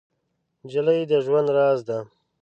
نجلۍ د ژوند راز ده.